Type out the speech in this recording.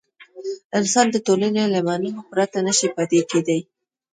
انسان د ټولنې له منلو پرته نه شي پاتې کېدای.